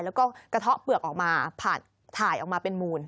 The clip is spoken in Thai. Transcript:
แล้วก็กระเทาะเปลือกออกมาถ่ายออกมาเป็นมูล